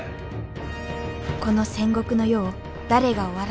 この戦国の世を誰が終わらせるのか。